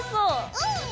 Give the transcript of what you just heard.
うん！